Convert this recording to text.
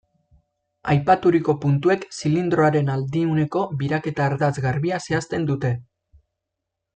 Aipaturiko puntuek zilindroaren aldiuneko biraketa-ardatz garbia zehazten dute.